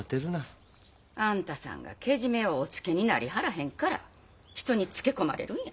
あんたさんがけじめをおつけになりはらへんから人につけ込まれるんや。